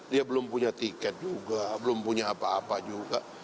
dia belum punya tiket juga belum punya apa apa juga